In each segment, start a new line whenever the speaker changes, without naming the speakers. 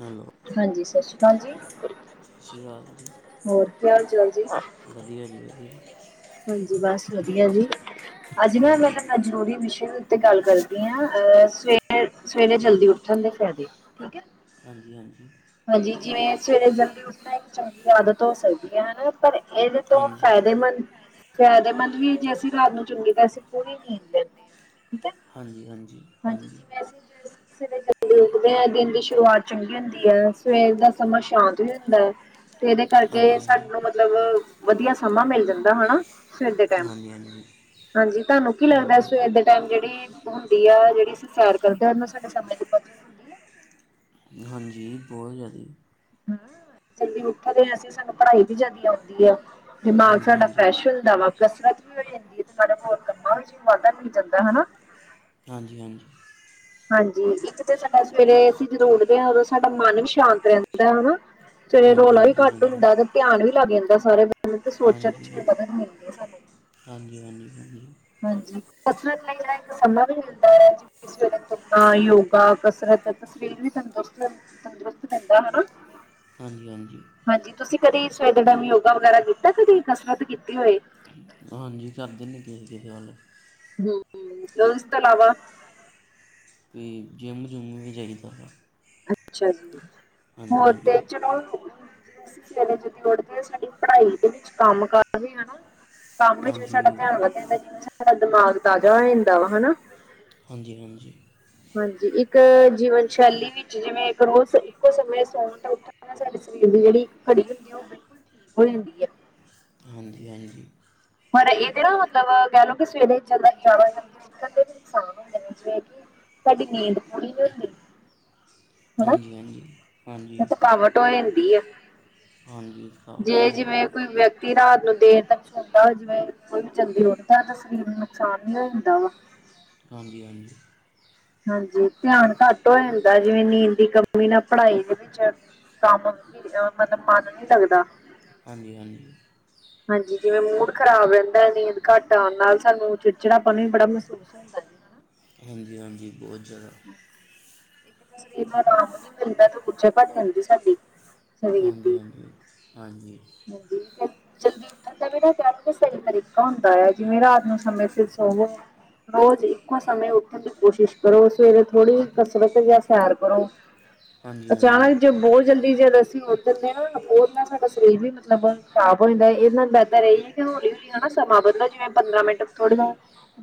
Hello
ਹਾਂਜੀ, ਸਤਿ ਸ੍ਰੀ ਅਕਾਲ ਜੀ।
ਸਤਿ ਸ਼੍ਰੀ ਅਕਾਲ।
ਹੋਰ ਕੀ ਹਾਲ ਚਾਲ ਜੀ?
ਵਧੀਆ ਜੀ ਵਦੀਆ।
ਹਾਂਜੀ, ਬਸ ਵਧੀਆ ਜੀ ਅੱਜ ਨਾ
ਵਧੀਆ ਹਾਂਜੀ
ਮੈਂ ਜ਼ਰੂਰੀ ਵਿਸ਼ੇ ਉੱਤੇ ਗੱਲ ਕਰਦੀ ਹਾਂ, ਅਹ ਸਵੇਰੇ ਸਵੇਰੇ ਜਲਦੀ ਉੱਠਣ ਦੇ ਫਾਇਦੇ, ਠੀਕ ਹੈ।
ਹਾਂਜੀ, ਹਾਂਜੀ।
ਹਾਂਜੀ, ਜਿਵੇਂ ਸਵੇਰੇ ਜਲਦੀ ਉੱਠਣਾ ਇੱਕ ਚੰਗੀ ਆਦਤ ਹੋ ਸਕਦੀ ਹੈ ਨਾ ਪਰ ਇਹਦੇ ਤੋਂ
ਹਾਂਜੀ
ਫਾਇਦੇਮੰਦ ਫਾਇਦੇਮੰਦ ਵੀ ਜੇ ਅਸੀਂ ਰਾਤ ਨੂੰ [unintelligible] ਚੰਗੇਏ ਤਾਂ ਅਸੀਂ ਪੂਣੀ ਨੀਂਦ ਲੈਂਦੇ। ਠੀ
ਹਾਂਜੀ ਹਾਂਜੀ
ਹਾਂਜੀ ਜ ਮ [unintelligible] [unintelligible] ਉਠਦਿਆਂ ਦਿਨ ਦੀ ਸ਼ੁਰੂਆਤ ਚੰਗੀ ਹੁੰਦੀ ਹੈ ਸਵੇਰ ਦਾ ਸਮਾਂ ਸ਼ਾਂਤ ਵੀ ਹੁੰਦਾ ਹੈ। ਤੇ ਇਹਦੇ ਕਰਕੇ
ਹਾਂਜੀ ਹਾਂਜੀ
ਸਾਨੂੰ ਮਤਲਬ ਵਧੀਆ ਸਮਾਂ ਮਿਲ ਜਾਂਦਾ ਹਨਾ। ਸਵੇਰ ਦੇ ਟੈਮ
ਹਾਂਜੀ ਹਾਂਜੀ
ਹਾਂਜੀ, ਤੁਹਾਨੂੰ ਕੀ ਲੱਗਦਾ?
ਹਾਂਜੀ
ਸਵੇਰ ਦੇ ਟੈਮ ਜਿਹੜੀ ਹੁੰਦੀ ਆ ਜਿਹੜੀ ਅਸੀਂ ਸੈਰ ਕਰਦੇ ਹਾਂ ਉਹਨਾਂ ਨੂੰ ਸਾਡੇ ਸਮੇਂ ਦੀ ਹੁੰਦੀ ਹੈ।
ਹਾਂਜੀ, [unintelligible] ਬਹੁਤ ਜ਼ਿਆਦਾ।
ਹ ਜਲਦੀ ਉਠਦੇ ਐਸੀਂ ਸਾਨੂੰ ਪੜ੍ਹਾਈ ਵੀ ਜਿਆਦਾ ਆਉਂਦੀ ਆ। ਦਿਮਾਗ
ਹਾਂਜੀ
ਸਾਡਾ
ਹਾਂਜੀ
ਫਰੈਸ਼ ਹੋਂਦਾ ਵਾ ਕਸਰਤ ਵੀ ਹੋ ਜਾਂਦੀ ਹੈ ਤੇ ਸਾਡੇ ਕੋੋਲ ਕੰਮਾਂ ਵਿੱਚ ਵਾਧਾ ਨ ਜਾਂਦਾ ਹਨਾ
ਹਾਂਜੀ, ਹਾਂਜੀ।
ਹਾਂਜੀ, ਇੱਕ ਤੇ ਸਾਡਾ ਸਵੇਰੇ ਅਸੀਂ ਜਦੋਂ ਉੱਠਦੇ ਹਾਂ ਉਦੋਂ ਸਾਡਾ ਮਨ ਵੀ ਸ਼ਾਂਤ ਰਹਿੰਦਾ ਹਨਾ। ਸਵੇਰੇ
ਹਾਂਜੀ
ਰੌਲਾ ਵੀ
ਹਾਂਜੀ
ਘੱਟ
ਰਹਿੰਦਾ
ਹੁੰਦਾ ਤੇ ਧਿਆਨ ਵੀ ਲੱਗ ਜਾਂਦਾ ਸਾਰੇ ਬ [unintelligible] ਤੇ ਸੋਚਣ ਵਿੱਚ
ਹਾਂਜੀ
ਵੀ
ਹਾਂਜੀ
ਮਦਦ ਮਿਲਦੀ ਹੈ ਸਾਨੂੰ।
ਹਾਂਜੀ, ਹਾਂਜੀ, ਹਾਂਜੀ਼।
ਹਾਂਜੀ, ਕਸਰਤ ਲਈ ਇੱਕ ਸਮਾਂ ਵੀ ਮਿਲਦਾ ਹੈ। ਸਵੇਰੇ ਤੁਰਨਾ, ਯੋਗਾ, ਕਸਰਤ, ਸਰੀਰ ਵੀ ਤੰਦਰੁਸਤ ਤੰਦਰੁਸਤ ਰਹਿੰਦਾ ਹਨਾ।
ਹਾਂਜੀ-ਹਾਂਜੀ।
ਹਾਂਜੀ ਤੁਸੀਂ ਕਦੇ ਸਵੇਰ ਦੇ ਟਾਈਮ ਯੋਗਾ ਵਗੈਰਾ ਕੀਤਾ ਕਦੇ ਕਸਰਤ ਕੀਤੀ ਹੋਏ?
ਹਾਂਜੀ ਕਰਦੇ ਨੇ ਕਿਸੇ-ਕਿਸੇ ਨਾਲ।
ਹੂੰ-ਹੂੰ ਇਸ ਤੋ ਲਾਵਾ
ਹੂਂ ਜਿੰਮ-ਜੁੰਮ ਵੀ ਜਾਇਦਾ ਵਾ।
ਅੱਛਾ ਜੀ,
ਹਾਂਜੀ
ਹੋਰ
ਹਾਂਜੀ
ਤੇ ਚਲੋ ਜਦੋਂ ਅਸੀਂ ਸਵੇਰੇ ਜਲਦੀ ਉੱਠਦੇ ਆ ਸਾਡੀ ਪੜ੍ਹਾਈ ਦੇ ਵਿੱਚ ਕੰਮ ਕਰਦੇ ਹਨਾ ਕੰਮ ਵਿੱਚ ਵੀ
ਹਾਂਜੀ ਹਾਂਜੀ
ਸਾਡਾ ਧਿਆਨ ਵੱਧ ਜਾਂਦਾ ਜਿਵੇਂ ਸਾਡਾ ਦਿਮਾਗ ਤਾਜ਼ਾ ਹੋ ਜਾਂਦਾ ਵਾ ਹਨਾ।
ਹਾਂਜੀ-ਹਾਂਜੀ।
ਹਾਂਜੀ ਇੱਕ ਜੀਵਨ ਸ਼ੈਲੀ ਵਿੱਚ ਜਿਵੇਂ ਇੱਕ ਰੋਜ਼ ਇੱਕੋ ਸਮੇਂ ਸੌਣ ਸਾਡੇ ਸਰੀਰ ਦੀ ਜਿਹੜੀ, ਘੜੀ ਹੁੰਦੀ ਹੈ ਉਹ ਬਿਲਕੁਲ ਠੀਕ ਹੋ ਜਾਂਦੀ ਹੈ।
ਹਾਂਜੀ-ਹਾਂਜੀ।
ਪਰ ਇਹਦੇ ਨਾ ਮਤਲਬ ਕਹਿ ਲਓ ਕਿ ਸਵੇਰੇ ਜ਼ਿਆਦਾ ਜਲਦੀ ਉਠਣ ਦੇ ਵੀ ਨੁਕਸਾਨ ਹੁੰਦੇ ਨੇ ਜਿਵੇਂ ਕਿ ਸਾਡੀ ਨੀਂਦ ਪੂਰੀ ਨਹੀ ਹੁੰਦੀ। ਹਨਾ
ਹਾਂਜੀ-ਹਾਂਜੀ।
ਥਕਾਵਟ ਹੋ ਜਾਂਦੀ ਹੈ।
ਹਾਂਜੀ। ਥਕਾਵਟ
ਜੇ
ਹੈ
ਜਿਵੇਂ
ਜੀ
ਕੋਈ ਵਿਅਕਤੀ ਰਾਤ ਨੂੰ ਦੇਰ ਤੱਕ ਸੌਦਾ ਜਿਵੇਂ ਕੋਈ ਵੀ ਜਲਦੀ ਉੱਠਦਾ ਤਾਂ ਸਰੀਰ ਨੂੰ ਨੁਕਸਾਨ ਨੀ ਹੋ ਜਾਂਦਾ ਵਾ।
ਹਾਂਜੀ-ਹਾਂਜੀ।
ਹਾਂਜੀ ਧਿਆਨ ਘੱਟ ਹੋ ਜਾਂਦਾ ਜਿਵੇਂ ਨੀਂਦ ਦੀ ਕਮੀ ਨਾ ਪੜ੍ਹਾਈ ਦੇ ਵਿੱਚ ਕੰਮ ਵੀ ਮਤਲਬ ਮਨ ਨੀ ਲੱਗਦਾ।
ਹਾਂਜੀ-ਹਾਂਜੀ।
ਹਾਂਜੀ ਜਿਵੇਂ ਮੂਡ ਖ਼ਰਾਬ ਰਹਿੰਦਾ ਹੈ ਨੀਂਦ ਘੱਟ ਆਉਣ ਨਾਲ ਸਾਨੂੰ ਚਿੜਚਿੜਾ ਪਨ ਵੀ ਬੜਾ ਮਹਿਸੂਸ ਹੁੰਦਾ। ਹਨਾ
ਹਾਂਜੀ-ਹਾਂਜੀ ਬਹੁਤ ਜ਼ਿਆਦਾ।
ਇੱਕ ਸਰੀਰ ਨੂੰ ਆਰਾਮ ਨੀ ਮਿਲਦਾ ਤੇ ਗੁਛੇ ਭੱਟ ਜਾਂਦੀ ਸਾਡੀ। ਸਰੀਰ ਦੀ
ਹਾਂਜੀ-ਹਾਂਜੀ, ਹਾਂਜੀ।
ਹਾਂਜੀ [unintelligible] ਜਲਦੀ ਉੱਠਣ ਦਾ ਵੀ ਨਾਂ ਕੋਈ ਸਹੀ ਤਰੀਕਾ ਹੁੰਦਾ ਹੈ ਜਿਵੇਂ ਰਾਤ ਨੂੰ ਸਮੇਂ ਸਿਰ ਸੋਵੋ। ਹੋਰ ਜੀ ਇੱਕੋ ਸਮੇਂ ਉੱਠਣ ਦੀ ਕੋਸ਼ਿਸ਼ ਕਰੋ ਸਵੇਰੇ ਥੋੜ੍ਹੀ ਕਸਰਤ ਜਾਂ ਸੈਰ ਕਰੋ।
ਹਾਂਜੀ ਹਾਂਜੀ
ਅਚਾਨਕ ਜੋ ਬਹੁਤ ਜਲਦੀ ਜਦ ਅਸੀਂ ਉੱਠਦੇ ਹਾਂ ਨਾ ਉਹਦੇ ਨਾਲ ਸਾਡਾ ਸਰੀਰ ਵੀ ਮਤਲਬ ਖਰਾਬ ਹੋ ਜਾਂਦਾ ਇਹਦੇ ਨਾਲ ਬਿਹਤਰ ਇਹ ਹੀ ਕਿ ਹੌਲੀ-ਹੌਲੀ ਹਨਾ ਸਮਾਂ ਬਦਲੋ ਜਿਵੇਂ ਪੰਦਰਾਂ ਮਿੰਟ ਥੋੜਾ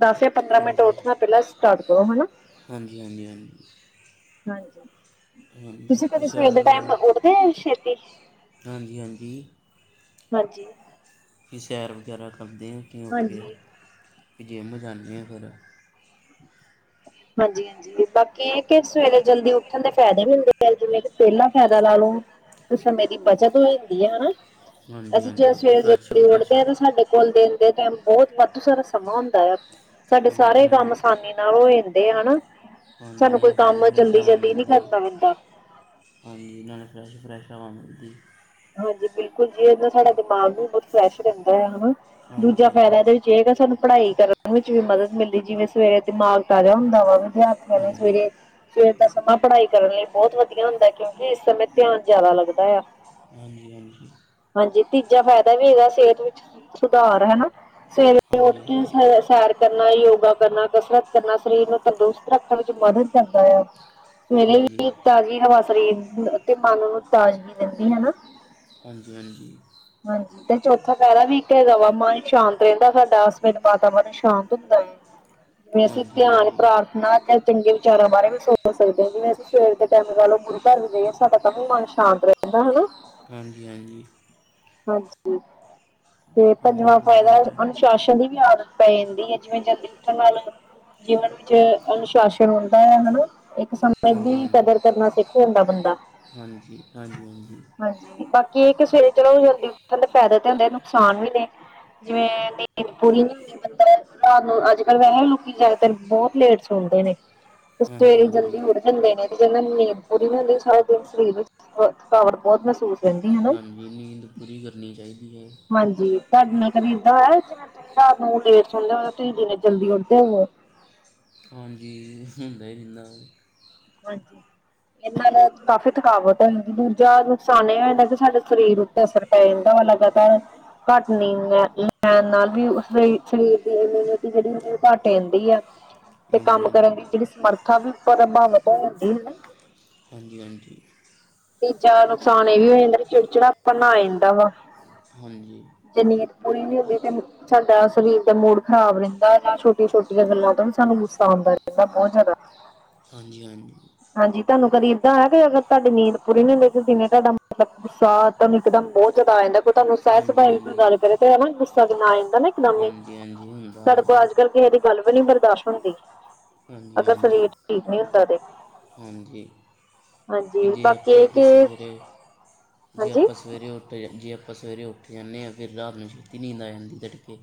ਦਸ ਜਾਂ ਪੰਦਰਾਂ ਮਿੰਟ
ਹਾਂਜੀ
ਉੱਠਣਾ ਪਹਿਲਾਂ ਸਟਾਰਟ ਕਰੋ ਹਨਾ।
ਹਾਂਜੀ ਹਾਂਜੀ ਹਾਂਜੀ।
ਹਾਂਜੀ,
ਹਾਂਜੀ
ਤੁਸੀਂ
ਕਿ
ਕਦੇ ਸਵੇਰ
ਸੈਰ
ਦੇ ਟਾਇਮ ਉੱਠਦੇ ਹੋ ਛੇਤੀ?
ਹਾਂਜੀ-ਹਾਂਜੀ।
ਹਾਂਜੀ।
ਕਿ ਸੈਰ ਵਗੈਰਾ ਕਰਦੇ ਆ ਛੇਤੀ ਉੱਠ ਕੇ,
ਹਾਂਜੀ
ਫੇਰ ਜਿੰਮ ਜਾਂਦੇ ਹਾਂ ਫੇਰ।
ਹਾਂਜੀ-ਹਾਂਜੀ ਬਾਕੀ ਇਹ ਕਿ ਸਵੇਰੇ ਜਲਦੀ ਉੱਠਣ ਦੇ ਫਾਇਦੇ ਵੀ ਹੁੰਦੇ ਆ ਜਿਵੇਂ ਕਿ ਪਹਿਲਾ ਫਾਇਦਾ ਲਾ ਲਓ ਸਮੇ ਦੀ ਬੱਚਤ ਹੋ ਜਾਂਦੀ ਹੈ ਹਨਾ,
ਹਾਂਜੀ
ਅਸੀਂ ਜਦੋਂ
ਹਾਂਜੀ
ਸਵੇਰੇ
ਫਰੈਸ਼
ਜਲਦੀ
ਫਰੈਸ਼
ਉੱਠਦੇ ਹਾਂ ਤਾਂ ਸਾਡੇ ਕੋਲ ਦੇਣ ਦੇ ਟਾਈਮ ਬਹੁਤ ਵਾਧੂ ਸਾਰਾ ਸਮਾਂ ਹੁੰਦਾ ਆ, ਸਾਡੇ
ਹਾਂਜੀ
ਸਾਰੇ ਕੰਮ
ਨਾਲੇ
ਆਸਾਨੀ ਨਾਲ ਹੋ ਜਾਂਦੇ ਹਨਾ,
ਹਾਂਜੀ
ਸਾਨੂੰ ਕੋਈ
ਨਾਲੇ ਫਰੈਸ਼
ਕੰਮ
ਫਰੈਸ਼ ਹਵਾ
ਜਲਦੀ-ਜਲਦੀ ਨੀ
ਮਿਲਦੀ
ਕਰਨਾ ਪੈਂਦਾ।
ਹਾਂਜੀ ਨਾਲੇ ਫਰੈਸ਼-ਫਰੈਸ਼ ਹਵਾ ਮਿਲਦੀ।
ਹਾਂਜੀ ਬਿਲਕੁਲ ਜੀ ਇਦਾਂ ਸਾਡਾ ਦਿਮਾਗ ਵੀ ਬਹੁਤ ਫਰੈਸ਼ ਰਹਿੰਦਾ ਆ ਹਨਾ।
ਹਾਂਜੀ
ਦੂਜਾ ਫਾਇਦਾ
ਹਾਂਜੀ
ਇਹਦੇ ਵਿੱਚ ਇਹ ਹੇਗਾ ਸਾਨੂੰ ਪੜ੍ਹਾਈ ਕਰਨ ਵਿੱਚ ਵੀ ਮਦਦ ਮਿਲਦੀ ਜਿਵੇਂ ਸਵੇਰੇ ਦਿਮਾਗ ਤਾਜ਼ਾ ਹੁੰਦਾ ਵਾ ਵਿਦਿਆਰਥੀਆਂ ਨੇ
ਹਾਂਜੀ
ਸਵੇਰੇ ਸਵੇਰ ਦਾ ਸਮਾਂ ਪੜ੍ਹਾਈ ਕਰਨ ਲਈ ਬਹੁਤ ਵਧੀਆ ਹੁੰਦਾ ਕਿਉਂਕਿ ਇਸ ਸਮੇਂ ਧਿਆਨ ਜ਼ਿਆਦਾ ਲੱਗਦਾ ਆ।
ਹਾਂਜੀ ਹਾਂਜੀ।
ਹਾਂਜੀ ਤੀਜਾ ਫਾਇਦਾ ਵੀ ਇਹਦਾ ਸਿਹਤ ਵਿੱਚ ਸੁਧਾਰ ਹਨਾ? ਸਵੇਰੇ ਉੱਠ
ਹਾਂਜੀ
ਕੇ
ਹਾਂਜੀ
[unintelligible] ਸਾਰ ਕਰਨਾ ਯੋਗਾ ਕਰਨਾ ਕਸਰਤ ਕਰਨਾ ਸਰੀਰ ਨੂੰ ਤੰਦਰੁਸਤ ਰੱਖਣ ਵਿੱਚ ਮਦਦ ਕਰਦਾ ਆ। ਸਵੇਰੇ ਵੀ
ਹਾਂਜੀ
ਤਾਜ਼ੀ ਹਵਾ ਸਰੀਰ ਅਤੇ ਮਨ ਨੂੰ ਤਾਜ਼ਗੀ ਦਿੰਦੀ ਹਨਾ?
ਹਾਂਜੀ ਹਾਂਜੀ।
ਹਾਂਜੀ। ਤੇ ਚੌਥਾ ਫਾਇਦਾ ਵੀ ਇੱਕ ਹੈਗਾ ਵਾ ਮਨ ਸ਼ਾਂਤ ਰਹਿੰਦਾ ਸਾਡਾ ਸਵੇਰੇ ਵਾਤਾਵਰਨ ਸ਼ਾਂਤ ਹੁੰਦਾ ਹੈ। ਵੈਸੇ
ਹਾਂਜੀ
ਧਿਆਨ
ਹਾਂਜੀ
ਪ੍ਰਾਰਥਨਾ ਚੰਗੇ ਵਿਚਾਰਾਂ ਬਾਰੇ ਵੀ ਸੁਚ ਸਕਦੇ ਹਾਂ ਜਿਵੇਂ ਅਸੀਂ ਸਵੇਰ ਦੇ ਟਾਈਮ ਨਾਲੋਂ ਗੁਰੂ ਘਰ ਵੀ ਜਾਈਏ ਸਾਡਾ ਤਾਂ ਵੀ ਮਨ ਸ਼ਾਂਤ ਰਹੇ [unintelligible] ਕਿਦਾ ਹਨਾਂ
ਹਾਂਜੀ ਹਾਂਜੀ।
ਹਾਂਜੀ ਤੇ
ਹਾਂਜੀ
ਪੰਜਵਾਂ ਫਾਇਦਾ
ਗੁਰਦੁਆਰਾ ਹੈ।
ਪ੍ਰਸ਼ਾਸਨ ਦੀ ਵੀ, ਆਦਤ ਪੈ ਜਾਂਦੀ ਹੈ ਜਿਵੇਂ ਜਲਦੀ ਉੱਠਣ, ਵ ਜੀਵਨ ਵਿੱਚ, ਅਨੁਸ਼ਾਸਨ ਹੁੰਦਾ ਹੈ, ਹਨਾ ਇੱਕ ਸਮੇਂ
ਹਾਂਜੀ
ਦੀ,
ਹਾਂਜੀ
ਕਦਰ ਕਰਨਾ ਸਿੱਖੋ ਉਹ ਹੁੰਦਾ, ਬੰਦਾ
ਹਾਂਜੀ, ਹਾਂਜੀ ਹਾਂਜੀ
ਕੀ, ਕਿ ਸਵੇਰੇ ਚਲੋ ਜਲਦੀ ਉੱਠਣ ਦੇ ਫਾਇਦਾ ਤੇ ਹੁੰਦੇ, ਨੁਕਸਾਨ ਵੀ ਨੇ ਜਿਵੇਂ, ਨੀਂਦ ਪੂਰੀ ਨੀ ਹੁੰ [unintelligible] ਰਾਤ ਨੂੰ ਅੱਜ ਕੱਲ੍ਹ ਵੈਸੇ ਲੋਕ ਜ਼ਿਆਦਾਤਰ ਬਹੁਤ ਲੇਟ ਸੋੰਦੇ ਨੇ।
ਹਾਂਜੀ
ਸਵੇਰੇ ਜਲਦੀ
ਹਾਂਜੀ
ਜਾਂਦੇ ਨੇ ਇਹਦੇ ਕਹਿੰਦੇ ਨੀਂਦ ਪੂਰੀ ਨੀ ਹੁੰਦੀ ਸਾਰਾ ਦਿਨ ਸਰੀਰ ਵਿੱਚ ਥਕਾਵਟ ਬਹੁਤ ਮਹਿਸੂਸ ਰਹਿੰਦੀ ਹੈ ਨਾ
ਹਾਂਜੀ ਨੀਂਦ ਪੂਰੀ ਕਰਨੀ ਚਾਹੀਦੀ ਹੈ।
ਹਾਂਜੀ ਤੁਹਾਡੇ ਨਾਲ ਕਦੇ ਏਦਾ ਹੋਇਆ ਜਿਵੇਂ ਤੁਸੀਂ ਰਾਤ ਨੂੰ ਲੇਟ ਸੋੰਦੇ ਹੋ ਤੁਸੀਂ ਜਨੇ ਜਲਦੀ ਉੱਠਦੇ ਹੋਵੋ?
ਹਾਂਜੀ ਹੁੰਦਾ ਹੀ [unintelligible]
ਹਾਂਜੀ। ਇਹ ਨਾਲ ਕਾਫ਼ੀ ਥਕਾਵਟ ਹੈ ਦੂਜਾ ਨੁਕਸਾਨ ਇਹ ਹੈਗਾ ਕਿ ਸਾਡੇ ਸਰੀਰ ਉੱਤੇ ਅਸਰ ਰਹਿੰਦਾ ਵਾ ਲਗਾਤਾਰ ਘੱਟ ਨਹੀਂ ਲੈ ਲੈਣ ਨਾਲ ਵੀ ਉਸ ਸਰੀਰ ਦੀ ਇਮਿਊਨਿਟੀ ਜਿਹੜੀ ਹੁੰਦੀ ਉਹ ਘੱਟ ਜਾਂਦੀ ਆ। ਤੇ
ਹਾਂਜੀ
ਕੰਮ
ਹਾਂਜੀ
ਕਰਨ ਦੀ ਜਿਹੜੀ ਸਮਰੱਥਾ ਵੀ ਪ੍ਰਭਾਵਿਤ ਹੋ ਜਾਂਦੀ ਹੈ ਨਾ।
ਹਾਂਜੀ ਹਾਂਜੀ।
ਤੇ, ਜ਼ਿਆਦਾ ਨੁਕਸਾਨ ਇਹ ਵੀ ਹੋ ਜਾਂਦਾ, ਚਿੜਚਿੜਾ ਪਨ ਆ ਜਾਂਦਾ, ਵਾ।
ਹਾਂਜੀ
ਜੇ, ਨੀਦ ਪੂਰੀ ਨੀ ਹੁੰਦੀ, ਤੇੈਨੂੰ ਸਾਡਾ ਸਰੀਰ ਦਾ, ਮੂਡ ਖ਼ਰਾਬ ਰਹਿੰਦਾ ਛੋਟੀਆਂ ਛੋਟੀਆਂ ਗੱਲਾਂ ਤੋਂ ਵੀ ਸਾਨੂੰ ਗੁੱਸਾ ਆਉਦਾ ਰਹਿੰਦਾ, ਬਹੁਤ ਜ਼ਿਆਦਾ [unintelligible] [unintelligible]
ਹਾਂਜੀ ਹਾਂਜੀ,
ਹਾਂਜੀ, ਤੁਹਾਨੂੰ ਕਦੀ ਏਦਾਂ ਹੋਇਆ ਕਿ, ਅਗਰ ਤੁਹਾਡੀ ਨੀਂਦ ਕੁੜੀ ਨੇ ਬੁਢੀ ਨੇ ਏਡਾ ਕੰਮ ਮਤਲਬ ਗੁਸਾ, ਇੱਕ ਦਮ ਬਹੁਤ ਜ਼ਿਆਦਾ ਆ ਜਾਂਦਾ, ਕੋਈ ਤੁਹਾਨੂੰ ਸਹਿਜ
ਹਾਂਜੀ
ਸੁਭਾਏ ਦੀ ਕੋਈ
ਹਾਂਜੀ
ਗੱਲ, ਕਰੇ ਤੇ ਨਾ, ਗੁੱਸਾ ਕਿਨਾ ਆ ਜਾਂਦਾ ਨਾ ਇੱਕਦਮ ਹੀ,
ਹਾਂਜੀ ਹਾਂਜੀ ਹੁੰਦਾ
ਸਾਡੇ ਕੋਲ
ਹਾਂਜੀ
ਅੱਜ ਕੱਲ, ਕਿਸੇ ਦੇ ਗਲ ਵੀ ਬਰਦਾਸ਼ਤ ਨਈ ਹੁੰਦੀ
ਹਾਂਜੀ
ਅਗਰ
ਹਾਂਜੀ
ਸਰੀਰ ਠੀਕ ਨਹੀਂ ਹੁੰਦਾ, ਤੇ
ਹਾਂਜੀ ਤੇ,
ਹਾਂਜੀ
ਜੇ
ਬਾਕੀ
ਆਪਾਂ
ਇਹ
ਵੀ
ਕਿ
ਸਵੇਰੇ, ਜੇ
ਹਾਂਜੀ
ਆਪਾਂ ਸਵੇਰੇ, ਉੱਠ ਉ ਜੇ, ਆਪਾਂ ਸਵੇਰੇ ਉੱਠ ਜਾਂਦੇ ਹਾਂ, ਫਿਰ ਰਾਤ ਨੂੰ ਛੇਤੀ ਨੀਂਦ ਆ ਜਾਂਦੀ, ਤੜਕੇ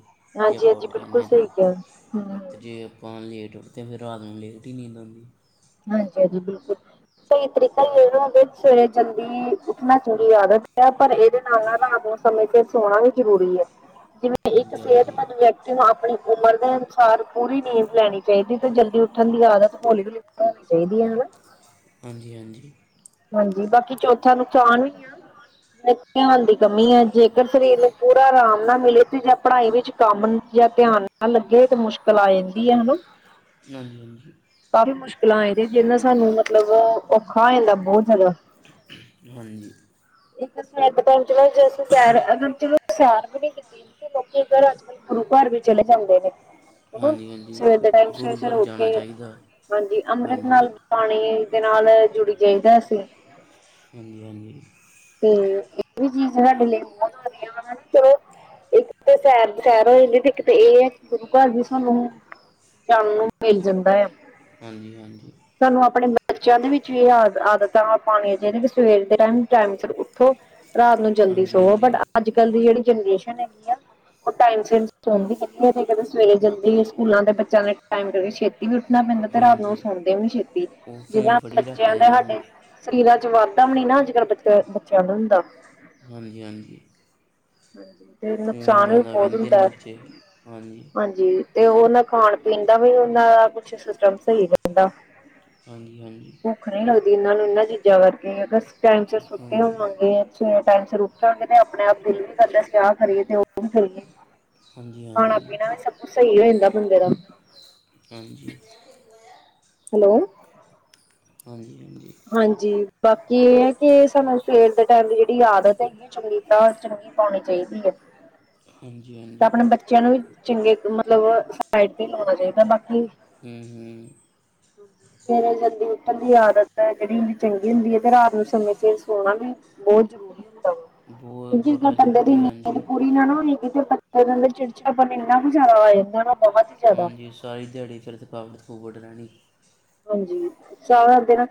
ਜੇ
ਹਾਂਜੀ
ਆਪਾਂ
ਹਾਂਜੀ
ਉੱਠ
ਬਿਲਕੁਲ
ਜਾਂਦੇ ਤਾਂ
ਸਹੀ ਕਿਹਾ, ਹ
ਅਤੇ ਜੇ, ਆਪਾਂ ਲੇਟ ਉੱਠਦੇ, ਫਿਰ ਰਾਤ ਨੂੰ ਲੇਟ ਹੀ ਨੀਂਦ, ਆਉਂਦੀ
ਹਾਂਜੀ ਹਾਂਜੀ ਬਿਲਕੁਲ, ਸਹੀ ਤਰੀਕਾ, ਸਵੇਰੇ ਜਲਦੀ ਉੱਠਣਾ ਚੰਗੀ ਆਦਤ, ਪਰ ਇਹਦੇ ਨਾਲ ਸਮੇਂ ਤੇ, ਸੋਣਾ ਵੀ ਜ਼ਰੂਰੀ ਹੈ, ਜਿਵੇਂ ਇੱਕ
ਹਾਂਜੀ
ਸਿਹਤਮੰਦ ਵਿਅਕਤੀ ਨੂੰ, ਆਪਣੀ ਉਮਰ ਦੇ ਅਨੁਸਾਰ, ਪੂਰੀ ਨੀਂਦ ਲੈਣੀ, ਫੇਰ ਤੇ ਜਲਦੀ, ਉੱਠਣ ਦੀ ਆਦਤ ਹੌਲੀ-ਹੌਲੀ ਬਣਾਣੀ ਚਾਹੀਦੀ ਆ ਹਨਾ
ਹਾਂਜੀ-ਹਾਂਜੀ।
ਹਾਂਜੀ, ਬਾਕੀ ਚੌਥਾ ਨੁਕਸਾਨ ਵੀ, ਆ ਜਿਵੇਂ ਧਿਆਨ ਦੀ ਕਮੀ ਆ, ਜੇਕਰ ਸਰੀਰ ਨੂੰ ਪੂਰਾ ਰਾਮ ਨਾਲ ਮਿਲੇ, ਤੇ ਜਾਂ ਪੜ੍ਹਾਈ ਵਿੱਚ ਕੰਮ ਚ, ਧਿਆਨ ਨਾ ਲੱਗੇ ਤੇ ਮੁਸ਼ਕਿਲ ਆ ਜਾਂਦੀ ਆ, ਹਨਾ
ਹਾਂਜੀ-ਹਾਂਜੀ।
ਕਾਫ਼ੀ ਮੁਸ਼ਕਿਲਾਂ ਆ ਜਾਦੀਆਂ, ਜਿਹਦੇ ਨਾਲ ਸਾਨੂੰ ਮਤਲਬ ਔਖਾ ਹੋ ਜਾਦਾ ਵਾ, ਬੋਹ ਜ਼ਿਆਦਾ
ਹਾਂਜੀ।
ਇੱਕ ਤਾਂ ਸਵੇਰ ਦੇ ਟਾਈਮ ਚਲੋ ਜਸਟ ਸੈਰ [inaudible] ਸੈਰ ਵੀ ਨੀ ਕੀਤੀ, ਤੇ ਲੋਕੀ ਗੁਰੂਘਰ ਵੀ ਚਲੇ ਜਾਂਦੇ ਨੇ। ਮਮਾਂ,
ਹਾਂਜੀ ਹਾਂਜੀ
ਸਵੇਰ ਦੇ ਟਾਈਮ,
ਗੁਰੂ
ਸਵੇਰੇ-ਸਵੇਰੇ
ਘਰ
ਉੱਠ ਕੇ
ਜਾਣਾ ਚਾਹੀਦਾ
ਹਾਂਜੀ, ਅੰਮ੍ਰਿਤ
ਹਾਂਜੀ
ਨਾਲ ਪਾਣੀ ਦੇ ਨਾਲ ਜੁੜ ਜਾਈਦਾ ਅਸੀਂ
ਹਾਂਜੀ-ਹਾਂਜੀ।
ਤੇ ਇਹ ਵੀ ਚੀਜ਼ ਸਾਡੇ ਲਈ ਬਹੁਤ ਵਧੀਆ ਵਾ ਹਨਾ, ਚਲੋ ਇੱਕ ਤੇ ਸੈਰ-ਸੈਰ ਹੋ ਜਾਂਦੀ, ਤੇ ਇੱਕ ਇਹ ਆ ਕਿ ਗੁਰੂਘਰ ਵੀ ਸਾਨੂੰ ਜਾਣ ਨੂੰ ਮਿਲ ਜਾਂਦਾ ਆ
ਹਾਂਜੀ-ਹਾਂਜੀ।
ਸਾਨੂੰ ਆਪਣੇ ਬੱਚਿਆਂ ਦੇ ਵਿੱਚ ਇਹ ਆਦ ਆਦਤਾਂ ਪਾਣੀਆਂ ਚਾਹੀਦੀਆਂ, ਕਿ ਸਵੇਰ ਦੇ ਟਾਈਮ, ਟਾਈਮ ਸਿਰ ਉਠੋ, ਰਾਤ ਨੂੰ ਜਲਦੀ ਸੋਵੋ ਬਟ
ਹਾਂਜੀ ਹਾਂਜੀ
ਅੱਜ-ਕੱਲ ਦੀ ਜਿਹੜੀ ਜਨਰੇਸ਼ਨ ਹੈਗੀ ਆ, ਉਹ ਟਾਈਮ ਸਿਰ ਸੌਂਦੀ ਨਈ ਤੇ ਕਦੇ ਸਵੇਰੇ ਜਲਦੀ, ਸਕੂਲਾਂ ਦੇ ਬੱਚਿਆਂ ਦੇ ਟਾਈਮ ਕਰਕੇ ਛੇਤੀ ਫਿਰ ਉੱਠਣਾ ਪੈਂਦਾ, ਤੇ ਰਾਤ ਨੂੰ
ਹਾਂਜੀ
ਸੌਦੇ ਵੀ ਨਈ ਛੇਤੀ,
ਉਹ ਫੋਨ
ਜਿੱੰਨਾ
ਫੜੀ
ਬੱਚਿਆਂ
ਰੱਖਦੇ
ਦੇ
ਨਾ
ਸਰੀਰਾਂ ਚ ਵਾਧਾ, ਵੀਨੀਨਾ, ਅੱਜ ਕੱਲ੍ਹ ਬੱਚ-ਬੱਚਿਆਂ ਦੇ ਹੁੰਦਾ।
ਹਾਂਜੀ-ਹਾਂਜੀ।
ਤੇ ਨੁਕਸਾਨ ਵੀ
ਜ਼ਿਆਦਾ
ਬਹੁਤ
ਵਹਿੰਦੇ
ਹੁੰਦਾ,
ਨਾ ਬੱਚੇ
ਹਾਂਜੀ ਜੀ, ਤੇ ਉਹ ਨਾ ਖਾਣ-ਪੀਣ ਦਾ ਵੀ ਉਹਨਾਂ ਦਾ ਕੁਛ ਸਿਸਟਮ ਸਹੀ ਰਹਿੰਦਾ
ਹਾਂਜੀ- ਹਾਂਜੀ।
ਭੁੱਖ ਨੀ ਲਗਦੀ ਇਹਨਾਂ ਨੂੰ ਇਹਨਾਂ ਚੀਜ਼ਾਂ ਕਰਕੇ, ਅਗਰ ਟਾਈਮ ਸਿਰ ਸੁੱਤੇ
ਹਾਂਜੀ
ਹੋਵਾਗੇ ਸਵੇਰੇ, ਟਾਈਮ ਸਿਰ ਉਠਾਗੇ, ਤੇ ਆਪਣੇ-ਆਪ ਦਿਲ ਵੀ ਕਰਦਾ, ਅਸੀਂ ਆਹ ਕਰੀਏ ਤੇ ਉਹ ਵੀ ਕਰੀਏ
ਹਾਂਜੀ ਹਾਂਜੀ
ਖਾਣਾ-ਪੀਣਾ ਵੀ, ਸਭ ਕੁਛ ਸਹੀ ਹੋ ਜਾਂਦਾ ਬੰਦੇ ਦਾ
ਹਾਂਜੀ।
ਹੈਲੋ?
ਹਾਂਜੀ-ਹਾਂਜੀ।
ਹਾਂਜੀ, ਬਾਕੀ ਇਹ ਆ ਕਿ ਸਾਨੂੰ ਸਵੇਰ ਦੇ ਟਾਈਮ, ਦੀ ਜਿਹੜੀ ਆਦਤ ਹੈਗੀ ਚੰਗੀ, ਤਾਂ ਚੰਗੀ ਪਾਉਣੀ ਚਾਹੀਦੀ ਹੈ ਤਾਂ
ਹਾਂਜੀ-ਹਾਂਜੀ।
ਆਪਣੇ ਬੱਚਿਆਂ ਨੂੰ ਵੀ ਚੰਗੇ ਮਤਲਬ ਸਾਈਡ ਤੇ ਲਾਉਣਾ ਚਾਹੀਦਾ, ਬਾਕੀ
ਹੂ-ਹੂ
ਸਵੇਰੇ ਜਲਦੀ ਉੱਠਣ ਦੀ ਆਦਤ ਜਿਹੜੀ ਹੁੰਦੀ ਚੰਗੀ ਹੁੰਦੀ ਹੈ, ਤੇ ਰਾਤ ਨੂੰ ਸਮੇਂ ਸਿਰ ਸੋਣਾ ਵੀ ਬਹੁਤ ਜ਼ਰੂਰੀ ਹੁੰ
ਬਹੁਤ
ਕਿਉਂਕਿ ਹਰ
ਬੜਾ
ਬੰਦੇ ਦੀ
ਜ਼ਰੂਰੀ
ਨੀਂਦ
ਹਾਂਜੀ
ਪੂਰੀ ਨੀਂਦ [unintelligible] ਬੱਚੇ ਦੇ ਅੰਦਰ ਚਿੜਚਿੜਪਨ ਇੰਨਾ ਕੁ ਜਿਆਦਾ ਆ ਜਾਂਦਾ ਬਹੁਤ ਹੀ ਜ਼ਿਆਦਾ।
ਹਾਂਜੀ, ਸਾਰੀ ਦਿਹਾੜੀ ਫਿਰ ਥਕਾਵਟ-ਥਕੂਵਟ ਰਹਿਣੀ
ਹਾਂਜੀ, ਸਾਰਾ ਦਿਨ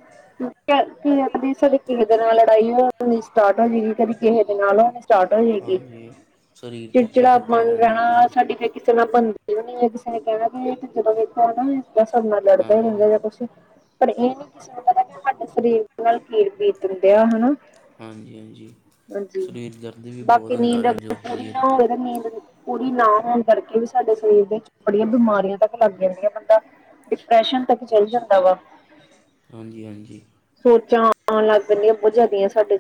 ਕਦੀ ਸਾਡੇ ਕਿਸੇ ਦੇ ਨਾਲ ਲੜਾਈ ਹੋਣੀ ਸਟਾਰਟ ਹੋ ਜੇਗੀ, ਕਦੀ ਕਿਸੇ ਦੇ ਨਾਲ ਹੋ ਸਟਾਰਟ ਹੋਜੇਗੀ
ਹਾਂਜੀ ਸਰੀਰ ਥੱਕਿਆ
ਚਿੜਚਿੜਾ
ਥੱਕਿਆ
ਪਣ
ਆਪਣਾ
ਰਹਿਣਾ ਸਾਡੀ ਕਿਸੇ ਨਾਲ ਬਣਦੀ ਵੀ ਨੀ ਕਿਸੇ ਨੇ ਕਹਿਣਾ ਕਿ ਜਦੋ ਦੇਖੋ ਹੈ ਸਾਡੇ ਨਾਲ ਲੜਦਾ ਹੀ ਰਹਿੰਦਾ
ਹਾਂਜੀ
ਕੁਛ ਪਰ ਇਹ ਨੀ ਕਿਸੇ ਨੂੰ ਪਤਾ ਕਿ ਸਾਡੇ ਸਰੀਰ ਨਾਲ ਕੀ ਬੀਤ ਦਿਆ ਹਨਾ
ਹਾਂਜੀ-ਹਾਂਜੀ,
ਹਾਂਜੀ
ਸਰੀਰ ਦਰਦ ਵੀ ਬਹੁਤ
ਬਾਕੀ
ਹੁੰਦਾ
ਨੀਂਦ
ਫਿਰ
ਅਗਰ
ਜਦੋਂ ਉਠ
ਪੂਰੀ
ਜਹੀਏ
ਨਾ ਹੋਵੇ ਨੀਂਦ ਪੂਰੀ ਨਾ ਹੋਣ ਕਰਕੇ ਵੀ ਸਾਡੇ ਸਰੀਰ ਤੇ ਬੜੀਆਂ ਬਿਮਾਰੀਆਂ ਤੱਕ ਲੱਗ ਜਾਂਦੀਆਂ, ਬੰਦਾ ਡਿਪਰੈਸ਼ਨ ਤੱਕ ਚਲ ਜਾਂਦਾ ਵਾ।
ਹਾਂਜੀ-ਹਾਂਜੀ।
ਸੋਚਾਂ ਆਉਣ ਲੱਗ ਪੈਂਦੀਆਂ ਬਹੁਤ ਜ਼ਿਆਦੀਆਂ ਸਾਡੇ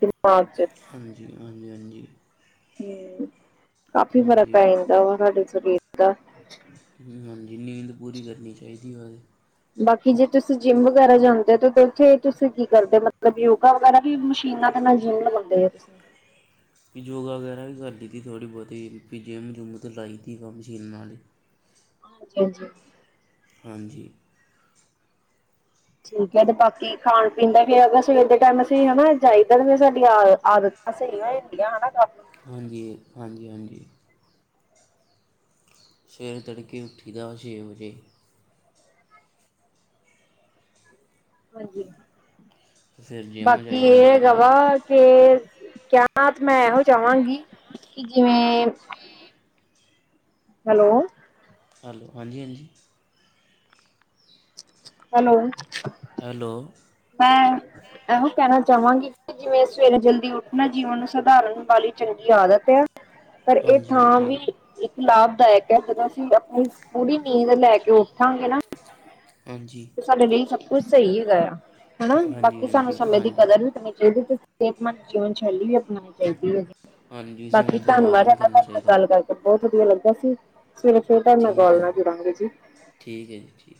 ਦਿਮਾਗ ਚ।
ਹਾਂਜੀ-ਹਾਂਜੀ ਹਾਂਜੀ।
ਹ ਕਾਫੀ ਫ਼ਰਕ
ਹਾਂਜੀ
ਪੈ, ਜਾਂਦਾ ਵ ਸਾਡੇ ਸਰੀਰ। ਦਾ
ਹਾਂਜੀ, ਨੀਂਦ ਪੂਰੀ ਕਰਨੀ ਚਾਹੀਦੀ ਹੋ।
ਬਾਕੀ ਜੇ ਤੁਸੀਂ ਜਿੰਮ ਵਗੈਰਾ ਜਾਂਦੇ ਹੋ, ਤਾਂ ਉੱਥੇ ਤੁਸੀਂ ਕੀ ਕਰਦੇ ਹੋ, ਮਤਲਬ ਯੋਗਾ ਵਗੈਰਾ। ਵੀ ਮਸ਼ੀਨਾਂ ਦੇ ਨਾਲ ਜਿਮ ਲਗਾਉਂਦੇ ਆ ਤੁਸੀਂ।
ਵੀ ਯੋਗਾ ਵਗੈਰਾ ਵੀ ਕਰ ਲਿੱਤੀ ਥੋੜ੍ਹੀ ਬਹੁਤੀ, ਜਿੰਮ ਜੁੰਮ ਲਾਈ ਤ ਕੰਮ ਮੱਸ਼ੀਨ ਨਾਲ ਵਾਲੇ।
ਹਾਂਜੀ, ਹਾਂਜੀ।
ਹਾਂਜੀ।
ਠੀਕ ਹੈ, ਤੇ ਬਾਕੀ ਖਾਣ-ਪੀਣ ਦਾ ਵੀ ਹੈਗਾ ਸਵੇਰ ਦੇ ਟਾਈਮ ਅਸੀਂ ਹਨਾ ਜਾਈਦਾ ਤੇ ਫਿਰ ਸਾਡੀ ਆ ਆਦਤ। ਅਸੀਂ ਆ ਈ ਹੂੰਦੀਆ ਹਨਾ ਕੰਮ।
ਹਾਂਜੀ, ਹਾਂਜੀ ਹਾਂਜੀ। ਸਵੇਰੇ, ਤੜਕੇ ਉੱਠੀ ਦਾ ਛੇ ਵਜੇ।
ਹਾਂਜੀ,
ਫਿਰ ਜਿੰਮ
ਬਾਕੀ
ਜਾਈਦਾ
ਏਹ
ਫਿਰ
ਹੈਗਾ ਵਾ ਕੇ ਤੇ। ਕੀਆ ਨਾਥ ਮੈਂ ਐਹੋ, ਚਾਵਾਂਗੀ ਕਿ ਜਿਵੇਂ। ਹੇਲੋ।
ਹੇਲੋ, ਹਾਂਜੀ ਹਾਂਜੀ।
ਹੈਲੋ।
ਹੈਲੋ।
ਮੈਂ ਇਹ ਕਹਿਣਾ ਚਾਹਵਾਂਗੀ। ਜਿਵੇਂ ਸਵੇਰੇ ਜਲਦੀ ਉੱਠਣਾ ਜੀਵਨ ਨੂੰ ਸੁਧਾਰਨ ਵਾਲੀ ਚੰਗੀ ਆਦਤ ਹੈ। ਪਰ ਇਹ
ਹਾਂਜੀ
ਥਾਂ
ਹਾਂਜੀ
ਵੀ। ਇੱਕ ਲਾਭਦਾਇਕ ਹੈ, ਜਦੋਂ ਅਸੀਂ ਆਪਣੀ ਪੂਰੀ ਨੀਂਦ ਲੈ ਕੇ ਉੱਠਾਂਗੇ ਨਾ।
ਹਾਂਜੀ।
ਤੇ ਸਾਡੇ ਲਈ ਸਭ ਕੁਝ ਸਹੀ ਹੈਗਾ ਆ ਹਨਾ,
ਹਾਂਜੀ
ਬਾਕੀ ਸਾਨੂੰ
ਹਾਂਜੀ
ਸਮੇਂ ਦੀ
ਹਾਂਜੀ
ਕਦਰ ਉ ਕਰਨਣੀ ਚਾਹੀਦੀ। ਕਿਸਮਤ ਯੂ ਜੀਵਨ ਸ਼ੈਲੀ ਬੇਨਾਨਾ ਚਇਦਾ ਹੈ,
ਹਾਂਜੀ
ਬਾਕੀ
ਸਮਾਂ ਬਰਬਾਦ
ਤਨਵਾਦ
ਨਹੀਂ ਕਰਨਾ ਚਾਹੀਦਾ
ਨਾਲ ਗੱਲ ਕਰ। ਬਹੁਤ ਵਧੀਆ ਲੱਗਾ ਸੀ, ਸਵੇਰੇ ਫੇਰ ਤਾ ਮੈਂ
ਠੀਕ ਹੈ
ਕੋਲ ਨਾਲ
ਜੀ,
ਜੁੜਾਂਗੇ ਜੀ।
ਠੀਕ ਹੈ, ਜੀ ਠੀਕ।